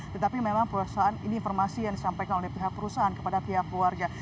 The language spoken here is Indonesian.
tetapi memang perusahaan ini informasi yang disampaikan oleh pihak perusahaan kepada pihak keluarga